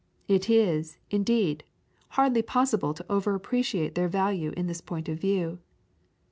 It is, indeed, hardly possible to over appreciate their value in this point of view.